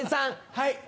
はい。